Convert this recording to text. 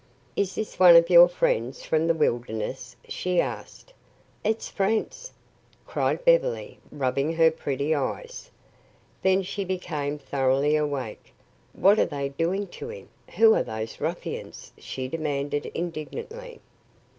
"Is this one of your friends from the wilderness?" she asked. "It's Franz!" cried Beverly, rubbing her pretty eyes. Then she became thoroughly awake. "What are they doing to him? Who are those ruffians?" she demanded indignantly.